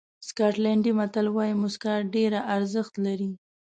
سکاټلېنډي متل وایي موسکا ډېره ارزښت لري.